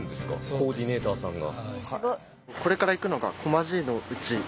コーディネーターさんが。